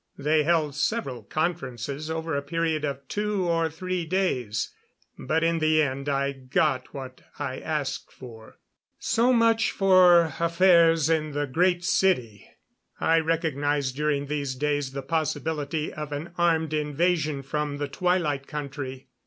They held several conferences over a period of two or three days, but in the end I got what I asked for. So much for affairs in the Great City. I recognized during these days the possibility of an armed invasion from the Twilight Country.